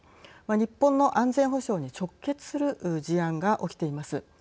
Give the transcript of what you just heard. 日本の安全保障に直結する事案が起きています。